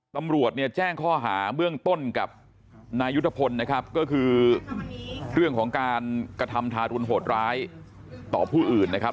ตำรวจเนี่ยแจ้งข้อหาเบื้องต้นกับนายุทธพลนะครับก็คือเรื่องของการกระทำทารุณโหดร้ายต่อผู้อื่นนะครับ